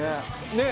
ねえ！